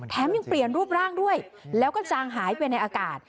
ยังเปลี่ยนรูปร่างด้วยแล้วก็จางหายไปในอากาศ